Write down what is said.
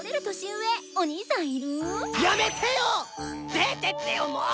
出てってよもう！